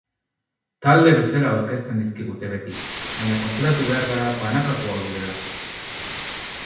Talde bezala aurkezten dizkigute beti, baina konturatu behar gara banakakoak direla.